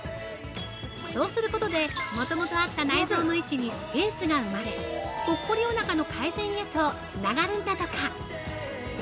そうすることでもともとあった内臓の位置にスペースが生まれぽっこりおなかの改善へとつながるんだとか！